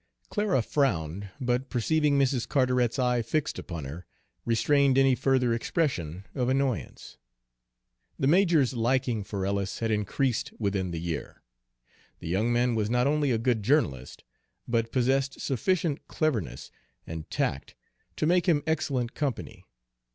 Clara frowned, but perceiving Mrs. Carteret's eye fixed upon her, restrained any further expression of annoyance. The major's liking for Ellis had increased within the year. The young man was not only a good journalist, but possessed sufficient cleverness and tact to make him excellent company.